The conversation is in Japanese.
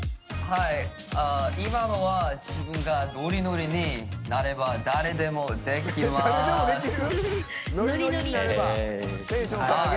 今のは自分がノリノリになれば誰でもできます！